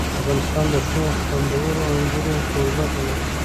افغانستان د ښو او خوندورو انګورو کوربه دی.